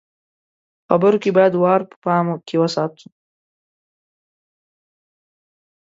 په خبرو کې بايد وار په پام کې وساتو.